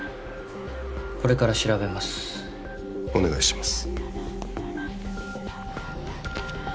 これから調べますお願いします